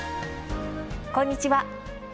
こんにちは。